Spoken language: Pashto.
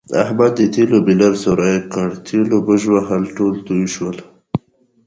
احمد د تېلو بیلر سوری کړ، تېلو بژوهل ټول تویې شول.